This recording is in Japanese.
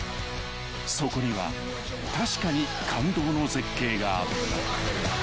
［そこには確かに感動の絶景があった］